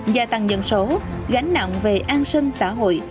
gia tăng dân số gánh nặng về an sinh xã hội